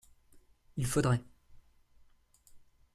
Il faudrait.